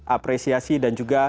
apresiasi dan juga